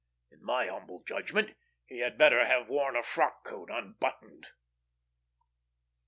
In my humble judgment, he had better have worn a frock coat unbuttoned.